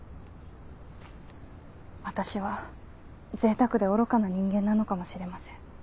私は贅沢で愚かな人間なのかもしれません。